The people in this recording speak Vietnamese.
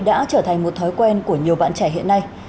đã trở thành một thói quen của nhiều bạn trẻ hiện nay